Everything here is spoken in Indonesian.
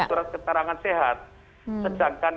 surat keterangan sehat sedangkan